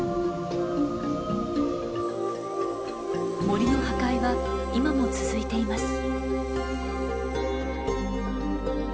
森の破壊は今も続いています。